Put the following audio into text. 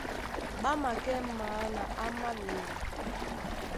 Ɓá makɛ́ maa na áma a ɓeyɛy.